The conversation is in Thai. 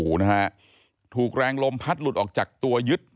โอ้โหนะฮะถูกแรงลมพัดหลุดออกจากตัวยึด